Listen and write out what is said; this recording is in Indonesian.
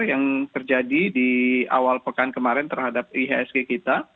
yang terjadi di awal pekan kemarin terhadap ihsg kita